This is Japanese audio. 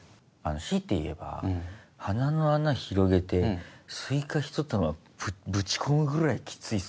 強いて言えば鼻の穴広げてスイカひと玉ぶち込むぐらいきついっすね。